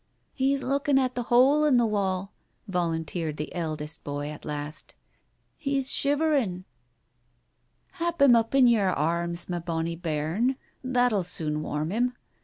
"He's looking at the hole in the wall," volunteered the eldest boy at last. "He's shiverin'." "Hap him up in your arms, ma bonny bairn, that'll soon warm him.